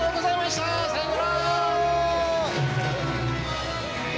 さようなら！